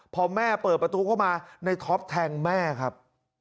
พอแม่เปิดประตูเข้ามาในท็อปแทงแม่ครับ